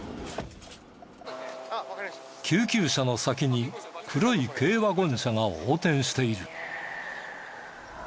救急車の先に黒い軽ワゴン車が横転している。